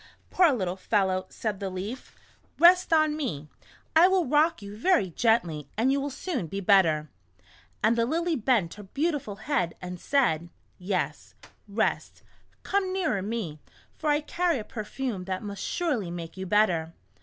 " Poor little fellow," said the Leaf, •* rest on 124 A Grasshopper's Trip to the City. me. I will rock you very gently and you will soon be better." And the Lily bent her beautiful head and said :" Yes, rest, come nearer me, for I carry a perfume that must surely make you better."